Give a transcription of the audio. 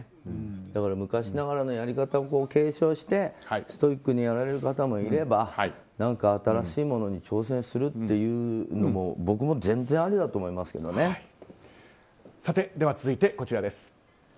だから昔ながらのやり方も後継してストイックにやられる方もいれば何か新しいものに挑戦するっていうのも続いてこちらです。